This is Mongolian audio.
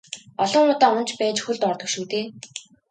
Олон удаа унаж байж хөлд ордог шүү дээ.